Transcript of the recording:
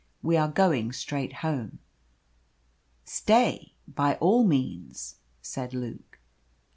We are going straight home." "Stay by all means," said Luke.